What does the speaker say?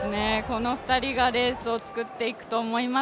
この２人がレースをつくっていくと思います。